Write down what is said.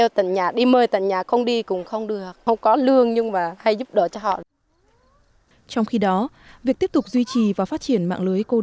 trong khi đó việc tiếp tục duy trì và phát triển mạng lưới cô đỡ thôn bản